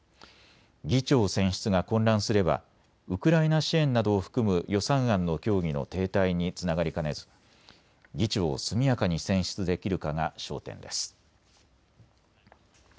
議長選出が混乱すればウクライナ支援などを含む予算案の協議の停滞につながりかねず議長を速やかに選出できるかが焦点です。